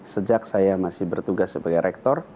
sejak saya masih bertugas sebagai rektor